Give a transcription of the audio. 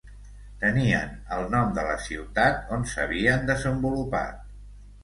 Tenien el nom de la ciutat on s'havien desenvolupat.